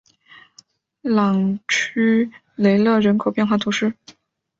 朗屈雷勒人口变化图示